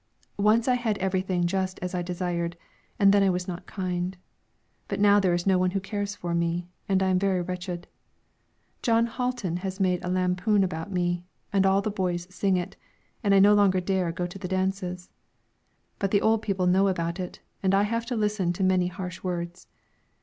Once I had everything just as I desired, and then I was not kind; but now there is no one who cares for me, and I am very wretched. Jon Hatlen has made a lampoon about me, and all the boys sing it, and I no longer dare go to the dances. Both the old people know about it, and I have to listen to many harsh words.